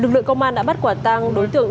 lực lượng công an đã bắt quả tang đối tượng